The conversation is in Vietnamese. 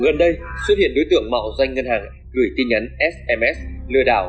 gần đây xuất hiện đối tượng mạo danh ngân hàng gửi tin nhắn sms lừa đảo